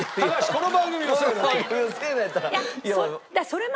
この番組のせいなんやったら。